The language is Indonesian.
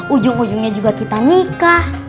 ujung ujungnya juga kita nikah